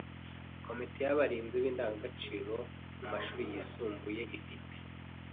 Komite y’abarinzi b’indangagaciro mu mashuri yisumbuye ifite